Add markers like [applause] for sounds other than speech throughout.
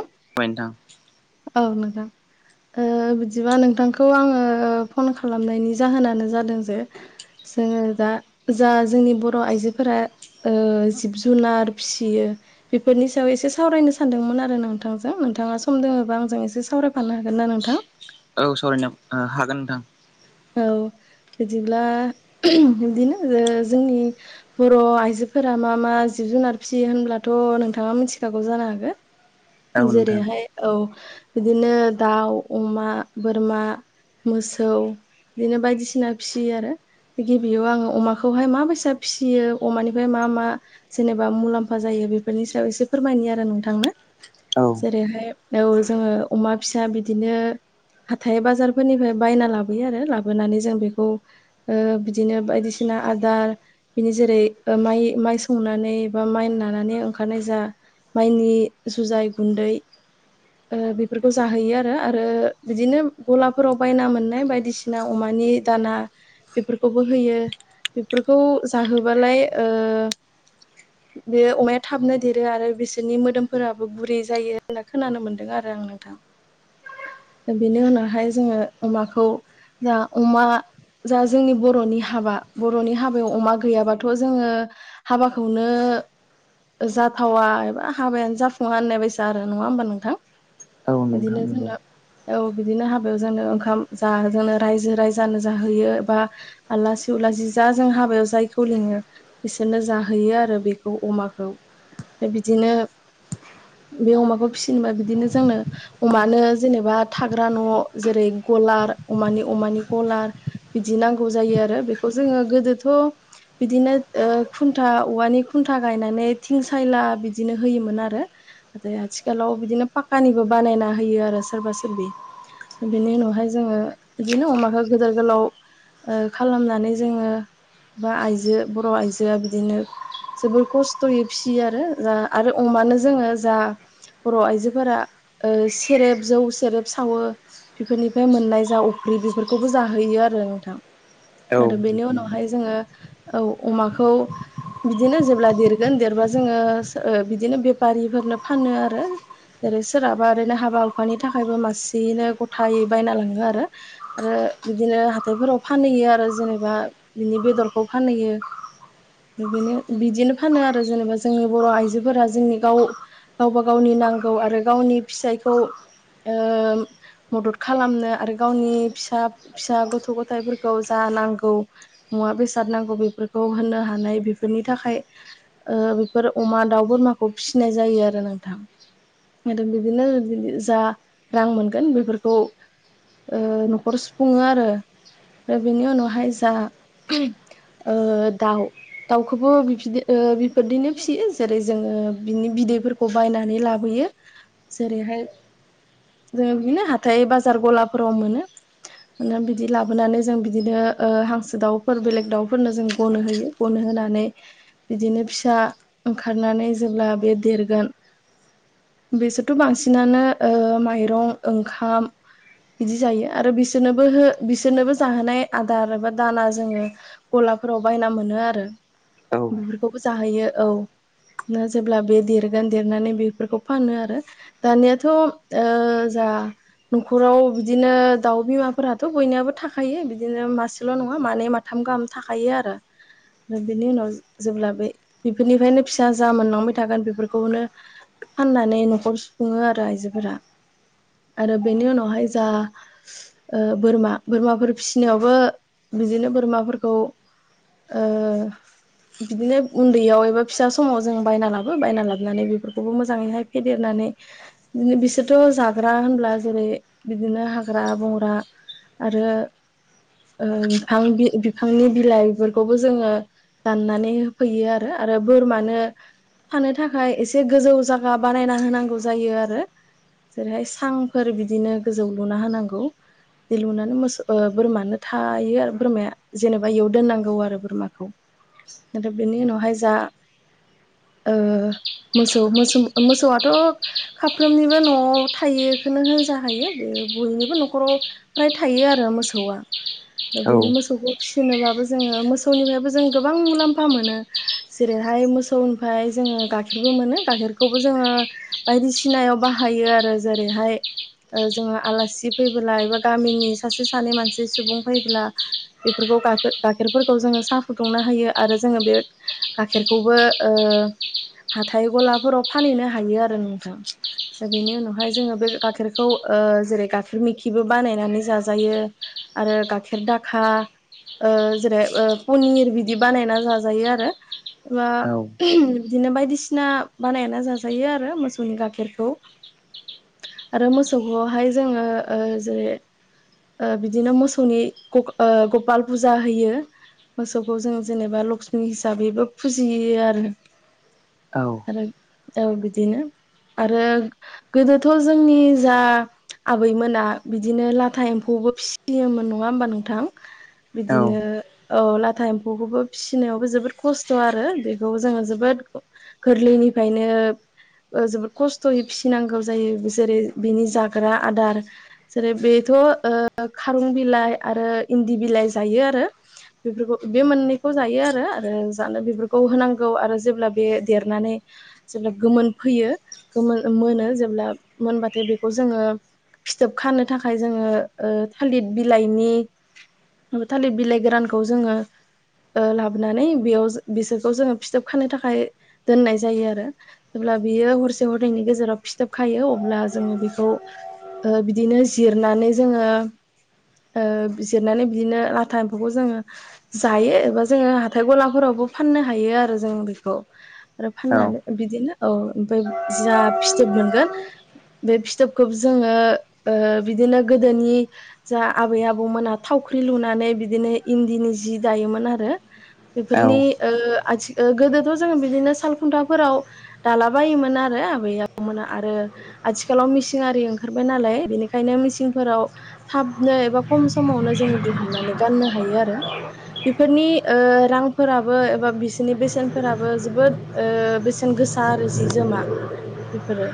ओमफाय नोंथां। दं [inaudible] ओ बिदिबा नोंथांखौ आङो फन खालामनायनि जाहोनानो जादों जे जोङो दा जा जोंनि बर' आइजोफोरा ओ जिब जुनार फिसियो। बेफोरनि सायाव एसे सावरायनो सानदोंमोन आरो नोंथांजों नोंथाङा सम दोङोबा आं एसे सावरायफानो हागोन ना नोंथां? औ सावरायनो हागोन नोंथां। औ बिदिब्ला बिदिनो जोंनि बर' आइजोफोरा मा मा जिब जुनार फिसियो होनब्लाथ' नोंथाङा मिथिखागौ जानो औ हागो। नोंथां जेरैहाय औ बिदिनो दाउ अमा बोरमा मोसौ बिदिनो बायदिसिना फिसियो आरो। गिबियाव आङो अमाखौहाय माबायसा फिसियो अमानिफ्राय मा मा जेनेबा मुलाम्फा जायो। बेफोरनि सायाव एसे फोरमायनि आरो नोंथांनो। औ जेरैहाय औ जोङो अमा फिसा बिदिनो। हाथाय बाजारफोरनिफ्राय बायना लाबो यो आरो लाबोनानै जों बेखौ बिदिनो बायदिसिना आदार बिनि जेरै माइ माइ सौनानै बा माइ नानानै ओंखारनाय जा माइनि जुजाय गुन्दै ओ बेफोरखौ जाहैयो आरो आरो बिदिनो गलाफोराव बायना मोननाय बायदि बायदिसिना अमानि दाना बेफोरखौबो होयो। बेफोरखौ जाहोबालाय ओ बे अमाया थाबनो देरो आरो बिसोरनि मोदोमफोराबो गुरै जायो होनना खोनानो मोनदों आरो। नोंथां बेनि उनावहाय जोङो अमाखौ। जा अमा जा जोंनि बर'नि हाबा बर'नि हाबायाव अमा गैयाबाथ' जोङो हाबाखौनो जाथावा एबा हाबायानो जाफुङा होननाय बायसा आरो नङा होमबा नोंथां? औ बिदिनो नोंथां नंगौ जोंङो औ बिदिनो हाबायाव जोंनो ओंखाम जा जोंनो रायजो राजानो जाहैयो बा आलासि उलासि जा जों हाबायाव जायखौ लिङो। बिसोरनो जाहैयो आरो बेखौ अमाखौ बिदिनो बे अमाखौ फिसिनोबा बिदिनो जोंनो अमानो जेनेबा थाग्रा न' जेरै कलार अमानि अमानि गलार बिदि नांगौ जायो आरो बेखौ जोङो गोदोथ' बिदिनो खुन्था औवानि खुन्था गायनानै थिं सायला बिदिनो होयोमोन आरो। आथिखालाव बिदिनो पाक्कानिबो बानायना होयो आरो सोरबा सोरबि बिनि उनावहाय जोङो। बिदिनो अमाखौ गदोर गोलाव खालामनानै जोङो। बा आइजो बर' आइजोआ बिदिनो जोबोर खस्थ'यै फियो आरो जा आरो अ मानो जोङो जा बर' आइजोफोरा सेरेब जौ सेरेब सावो बेफोरनिफ्राय मोननाय जा ओख्रि बेफोरखौबो जाहैयो आरो नोंथां औ आरो बेनि नोंथां उनावहाय जोङो औ अमाखौ बिदिनो जेब्ला देरगोन देरबा जोङो बिदिनो बेफारिफोरनो फानो आरो। जेरै सोरहाबा ओरैनो हाबा हुखानि थाखायबो मासेयैनो गथायै बायना लाङो आरो। आरो बिदिनो हाथायफोराव फानहैयो आरो जेनेबा बिनि बेदरखौ फानहैयो। नो बिदिनो फानो आरो जेनेबा जोंनि बर' आइजोफोरा जोंनि गाव गावबा गावनि नांगौ आरो गावनि फिसायखौ मदद खालामनो। गावनि फिसा फिसा गथ' गथायाइफोरखौ जा नांगौ मुवा बेसाद नांगौ बेफोरखौ। होनो हानाय बेफोरनि थाखाय बेफोर अमा दाउ बोरमाखौ फिसिनाय जायो आरो ना आरो बिदिनो जा रां मोनगोन बेफोरखौ। न'खर सुफुङो आरो। ओफ्राय बेनि उनावहाय जा दाउ दाउखौबो बि बिफोरदिनो फिसियो जेरै जोङो बिनि बिदैफोरखौ बायनानै लाबोयो। जेरैहाय जों बिदिनो हाथाइ बाजार गलाफोराव मोनो। बिदि लाबोनानै जों बिदिनो हांसो दाउफोर बेलेग दाउफोरनो जों गनो होयो गनो हो होनानै बिदिनो फिसा ओंखारनानै जेब्ला बे देरगोन बेसोरथ' बांसिनानो माइरं ओंखाम। बिदि जायो आरो बिसोरनोबो हो बिसोरनोबो जाहोनाय आदार एबा दाना जोङो गलाफोराव। बायना मोनो आरो औ बेफोरखौबो जाहैयो औ। ना जेब्ला बे देरगोन देरनानै बेफोरखौ फानो आरो दानियाथ' ज न'खराव बिदिनो बिदिनो दाउ बिमाफोराथ' बयनियाबो थाखायो बिदिनो मासेल' नङा मानै माथाम गाहाम थाखायो आरो। दा आरो बिनि उनाव जेब्ला बे बेफोरनिफ्रायनो फिसा जा मोनलांबाय थागोन बेफोरखौनो फाननानै न'खर सुफुङो आरो आइजोफोरा आरो बेनि उनावहाय जा ओ बोरमा बोरमाफोर फिसिनायावबो बिदिनो बोरमाफोरखौ ओ बिदिनो उन्दैयाव एबा फिसा समाव जों बायना लाबो बायना लाबोनानै बेफोरखौबो मोजाङैहाय फेदेरनानै बिसोरथ' जाग्रा होनब्ला जेरै बिदिनो हाग्रा बंग्रा आरो ओ बिफां बिफांनि बिलाइफोरखौबो जोङो दाननानै होफैयो आरो। आरो बोरमानो खानो थाखाय एसे गोजौ जायगा बानायना होनांगौ जायो आरो। जेरैहाय सांफोर बिदिनो गोजौ लुना होनांगौ। बे लुनानै मोसौ बोरमानो थायो आरो बोरमाया जेनेबा इयाव दोननांगौ आरो बोरमाखौ। आरो बेनि उनावहाय जा ओ मोसौ मोसौ मोसौआथ' साफ्रोमनिबो न'आव थायोखौनो होनजा हायो। बे बयनिबो न'खराव फ्राय थायो आरो मोसौआ बेनि मोसौखौ सिनोबाबो जोङो मोसौनिफ्रायबो जों गोबां मुलाम्फा मोनो जेरैहाय मोसौनिफ्राय जोङो गाइखेरबो मोनो गाइखेरखौबो जोङो बायदिसिनायाव बाहायो आरो जेरैहाय ओ जोङो आलासि फैबोला एबा गामिनि सासे सानै मानसि सुबुं फैबोला बेफोरखौ गाइखे खेरफोरखौ जोङो साहा फुदुंनो हायो आरो जोङो बे गाइखेरखौबो ओ हाथाय गलाफोराव फानहैनो हायो आरो नोंथां दा बेनि उनावहाय जोङो बे गाइखेरखौ खौ जेरै गाइखेर मेखिबो बानायनानै जाजायो आरो गाइखेर दाखा। जेरै पनिर बिदि बानायना जाजायो आरो। बा बिदिनो बायदिसिना बानाया जाजायो आरो मोसौनि गाइखेरखौ आरो मोसौखौहाय जोङो जेरै बिदिनो मोसौनि गपाल फुजा होयो। मोसौखौ जों जेनेबा लक्ष्मि हिसाबैबो फुजिहियो आरो। औ आरो औ बिदिनो आरो गोदोथ' जोंनि जा आबैमोना बिदिनो लाथा एम्फौबो फिसियोमोन नङा होमबा नोंथां? बिदिनो औ लाथा एम्फौखौबो फिनायावबो जोबोद खस्थ' आरो बेखौ जोङो जोबोद गोरलैनिफ्रायनो ओ जोबोद खस्थ'यै फिनांगौ जायो जेरै बेनि जाग्रा आदार जेरै बेथ' ओ खारं बिलाइ आरो इन्दि बिलाइ जायो आरो बिफोरखौ बि मोननैखौ जायो आरो। आरो जानो बिफोरखौ होनांगौ आरो जि ब्ला बे देरनानै जेब्ला गोमोन फैयो गोमोन मोनो जेब्ला मोनबा थाय बिखौ जोङो फिथोब खानो थाखाय जोङो ओ थालिद बिलाइनि थालिद बिलाइ गोरानखौ जोङो ओ लाबोनानै बेयाव जो बिसोरखौ जोङो फिथोब खानो थाखाय दोननाय जायो आरो। ब्ला बियो हरसे हरनैनि गेजेराव फिथोब खायो अब्ला जोङो बिखौ ओ बिदिनो जिरनानै जोङो ओ बिजिरनानै बिदिनो लाथा एम्फौखौ जोङो जायो एबा जोङो हाथाय गलाफोरावबो बो फाननो हायो आरो जों बेखौ आरो फाननानै बिदिनो औ ओमफ्राय जा फिथोब मोनगोन बे फिथोबखौ जोङो ओ बिदिनो गोदोनि जा आबै आबौमोना था थावख्रि लुनानै बिदिनो इन्दिनि जि दायोमोन आरो बेफोरनि ओ ओ आथि गोदोथ' जों बिदिनो साल खुन्थाफोराव दाला बायोमोन आरो आबै आबौमोना आरो आथिखालाव मसिं आरि ओंखारबाय नालाय बेनिखायनो मिसिंफोराव थाबनो एबा खम समावनो जों जों दिहुननानै गाननो हायो आरो। बेफोरनि ओ रांफोराबो एबा बिसोरनि बेसेनफोराबो ओ जोबोद बेसेन गोसा आरो जि जोमा बिफोरो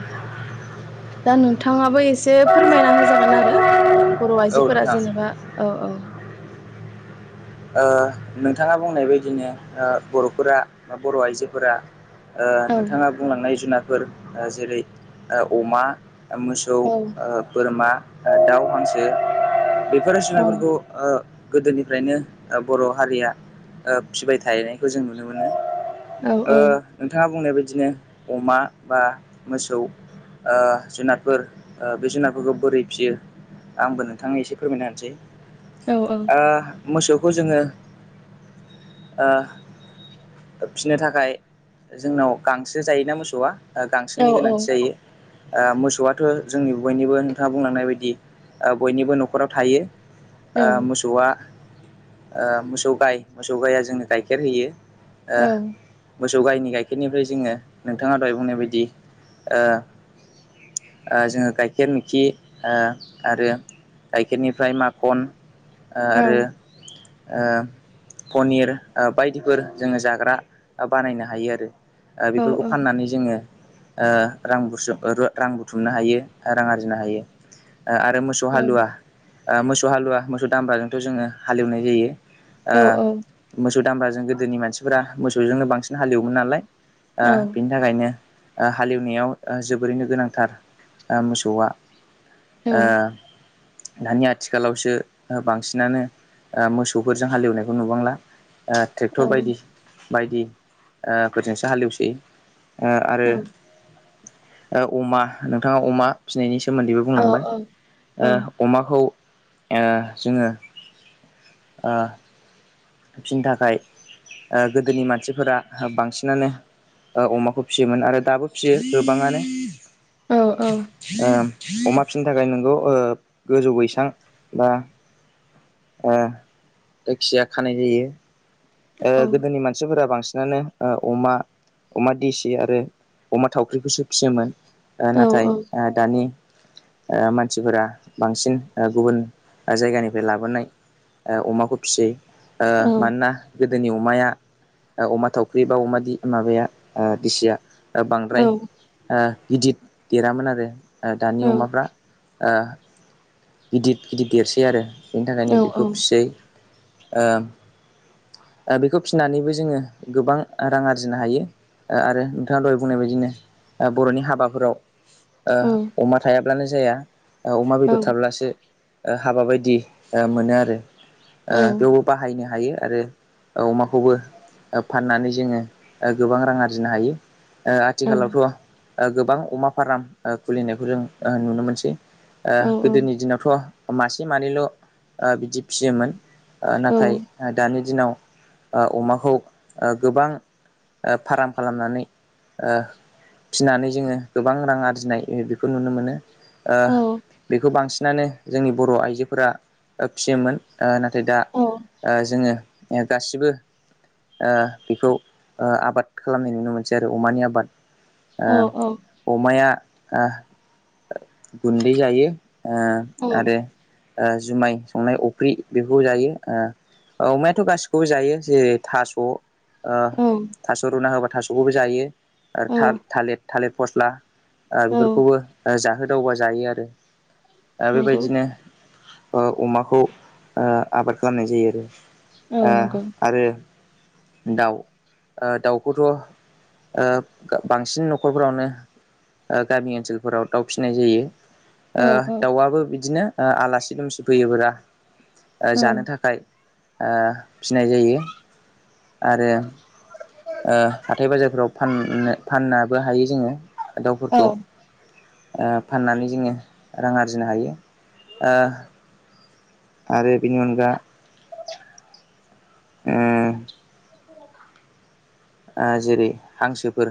ओ दा नोंथाङाबो एसे फोरमायना होजागोन आरो। बर' औ आइजोफोरा नोंथां जेनेबा औ औ। ओ नोंथाङा बुंनाय बायदिनो ओ बर'फोरा बा बर' आइजोफोरा ओ औ नोंथाङा बुंलांनाय जुनारफोर जेरै ओ अमा, ओ मोसौ औ ओ बोरमा, ओ दाउ, हांसो बेफोर जुनायफोरखौ ओ गोदोनिफ्रायनो ओ बर' हारिया ओ फिबाय थायनायखौ जों नुनो मोनो औ ओ नोंथाङा बुंनायबाय बिदिनो अमा बा मोसौ ओ जुनारफोर ओ बे जुनारफोरखौ बोरै फियो। आंबो नोंथांनो एसे फोरमायना होनसै औ ओ मोसौखौ जोङो ओ फिनो थाखाय जोंनाव गांसो जायोना मोसौआ ओ औ गांसोनि गोनांथि जायो। ओ मोसौआथ' जोंनि बयनिबो नोंथाङा बुंलांनाय बायदि ओ बयनिबो न'खराव थायो। औ ओ मोसौआ ओ मोसौ गाय मोसौ गाइआ जोंनो गाइखेर होयो। ओ औ। मोसौ गाइनि गाइखेरनिफ्राय जोङो नोंथाङा दहाय बुंनाय बायदि ओ ओ जोङो गाइखेर मोखि ओ आरो गाइखेरनिफ्राय माखन ओ औ आरो ओ पनिर ओ बायदिफोर जोङो जाग्रा ओ बानायनो हायो आरो। ओ औ बेफोरखौ फाननानै जोङो ओ रां बुसुम र-रां बुथुमनो हायो रां आरजिनो हायो। ओ आरो मोसौ औ हालुवा ओ मोसौ हालुवा मोसौ दामब्राजोंथ' जोङो हाल एवनाय जायो। औ ओ मोसौ दामब्राजों गोदोनि मानसिफोरा मोसौजोंनो बांसिन हाल एवोमोन नालाय ओ औ बिनि थाखायनो ओ हाल एवनायाव ओ जोबोरैनो गोनांथार ओ मोसौआ औ ओ दानि आथिखालावसो ओ बांसिनानो ओ मोसौफोर जों हालेवनायखौ नुबांला ट्रेक्टर बायदि बायदिफोरजोंसो हालेवसोयो। आरो औ अमा नोंथाङा अमा फिसिनायनि सोमोन्दैबो औ बुंलांबाय अमाखौ जोङो ओ फिसिनो थाखाय गोदोनि मानसिफोरा बांसिनानो अमाखौ फिसियोमोन आरो दाबो फिसियो गोबाङानो अमा फिसिनो थाखाय नोंगौ गोजौ बैसां बा जायखिाया खानाय जायो गोदोनि मानसिफोरा बांसिन बिसिनानो अमा अमा देसि आरो अमा थावख्रिखौसो फिसियोमोन। औ नाथाय दानि मानसिफोरा बांसिन गुबुन जायगानिफ्राय लाबोनाय अमाखौ फियो ओ मानोना गोदोनि अमाया अमा थावख्रि बा अमा माबाया दिसिया ओ बांद्राय ओ गिदिर देरामोन आरो ओ दानि अमाफ्रा ओ गिदद गिदिर देरसै आरो बेनि थाखायनो बेखौ फिसै बेखौ फिनानैबो जोङो गोबां रां आरजिनो हायो। आरो नोंथाङा दहाय बुंनाय बायदिनो बर'नि हाबाफोराव अमा थायाब्लानो जाया अमा बेदर थाब्लासो हाबा बायदि मोनो आरो औ बेवबो बाहायनो हायो आरो अमाखौबो फाननानै जोङो गोबां रां आरजिनो हायो। औ आथिखालावथ' गोबां अमा फार्म खुलिनायखौ जों नुनो मोनसै गोदोनि दिनावथ' मासे मानैल' बिदि फियोमोन। नाथाय दानि दिनाव अमाखौ गोबां फार्म खालामनानै फिनानै जोङो गोबां रां आरजिनाय बेखौ नुनो मोनो। ओ बेखौ बांसिनानो जोंनि बर' आइजोफोरा फिसियोमोन ओ नाथाय नाथाय दा जोङो गासिबो बेखौ आबाद खालामनाय नुनो मोनसै आरो अमानि आबाद ओ अमाया गुन्दै जायो ओ आरो ओ जुमाय संनाय अफ्रि बेखौफोरखौ जायो ओ अमा थ' गासिखौबो जायो जेरै थास' ओ थास' रुना होबा थास'खोबो जायो था-थालिर थालिर फस्ला ओ बेफोरखौ जाहो दावबा जायो आरो दा नंगौ औ बेबायदिनो ओ अमाखौ आबाद खालामनाय जायो आरो ओ नंगौ आरो दाउ ओ दाउखौथ' ओ बांसिन न'खरफोरावनो ओ गामि ओनसोलफोराव दाउ फिसिनाय जायो। औ ओ औ दाउआबो बिदिनो ओ आलासि दुमसि फैयो बोला ओ जानो औ थाखाय ओ फिसिनाय जायो। आरो ओ हाथाय बाजारफोराव फाननो फाननोबो हायो जोङो। औ दाउफोरखौ ओ फाननानै जोङो रां आरजिनो हायो। ओ आरो बेनि अनगा ओ ओ जेरै हांसोफोर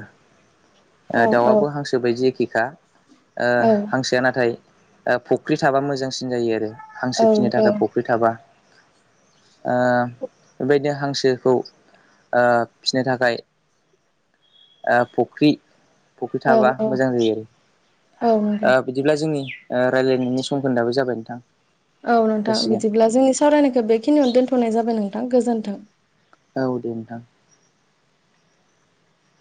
औ ओ दाउआबो हांसो बायदि एखेखा ओ हांसोआ नाथाय फुख्रि थाबा मोजांसिन जायो आरो। हांसो फिसिनो थाखाय फख्रि थाबा ओ बेबायदिनो हांसोखौ ओ नि थाखाय ओ फख्रि फख्रि थाबा औ मोजां जायो आरो औ नंगौ ओ बिदिब्ला जोंनि ओ रायलायनायनि समखोन्दो आं बो जाबाय नोंथां। औ नोंथां जासिगोन बिदिब्ला जोंनि सावरायनायखौ बेखिनियावनो दोनथ'नाय जाबाय नोंथां गोजोन्थों औ दे नोंथां।